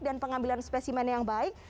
dan pengambilan spesimen yang baik